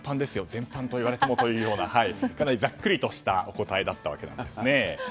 全般と言われてもとかなりざっくりとしたお答えだったわけですね。